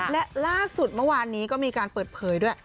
และล่าสุดเมื่อวานนี้ก็มีการเปิดเผยด้วย